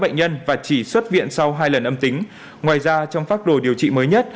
bệnh nhân và chỉ xuất viện sau hai lần âm tính ngoài ra trong phác đồ điều trị mới nhất